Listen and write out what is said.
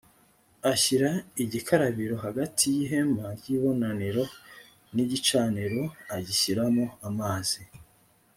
ashyira igikarabiro hagati y’ihema ry’ibonaniro n’igicaniro agishyiramo amazi